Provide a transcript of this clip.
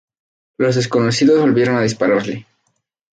Los desconocidos volvieron a dispararle.